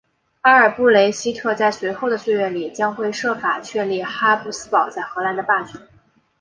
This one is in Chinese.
阿尔布雷希特在随后的岁月里将会设法确立哈布斯堡在荷兰的霸权。